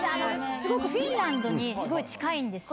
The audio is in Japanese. すごくフィンランドにすごい近いんですよ。